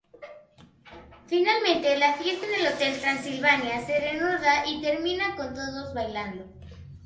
Finalmente, la fiesta en el Hotel Transylvania se reanuda y termina con todos bailando.